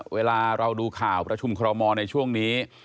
เวลาเราดูข่าวประชุมคอรมอลในช่วงนี้